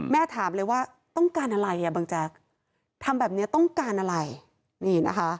แม่ถามเลยว่าต้องการอะไรบางแจ๊กทำแบบนี้ต้องการอะไร